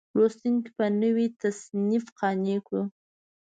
لوستونکي په نوي تصنیف قانع کړو.